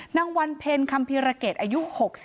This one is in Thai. นางวันเพ็ญคัมภีรเกตอายุ๖๒